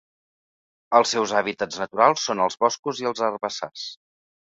Els seus hàbitats naturals són els boscos i els herbassars.